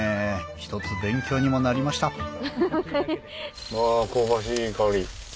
一つ勉強にもなりましたわ香ばしいいい香り。